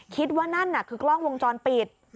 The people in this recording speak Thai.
คิดว่านั่นน่ะคือกล้องวงจรปิด